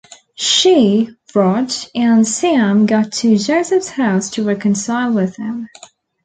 She, Raj, and Sam go to Joseph's house to reconcile with him.